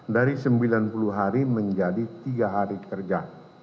dari sembilan puluh hari menjadi tiga hari kerja